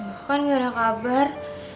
aku kan gak ada kabar